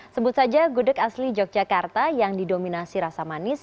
sebut saja gudeg asli yogyakarta yang didominasi rasa manis